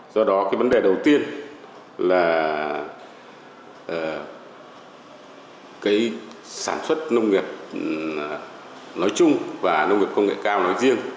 do đó cái vấn đề đầu tiên là cái sản xuất nông nghiệp nói chung và nông nghiệp công nghệ cao nói riêng